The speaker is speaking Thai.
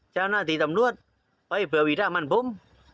เจ้าหน้าที่ตำรวจไปเผื่อวิรามันผม